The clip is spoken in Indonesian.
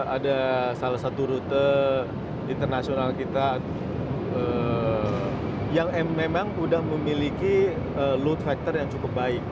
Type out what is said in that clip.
ada salah satu rute internasional kita yang memang sudah memiliki load factor yang cukup baik